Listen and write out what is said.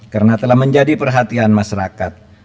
karena telah menjadi perhatian masyarakat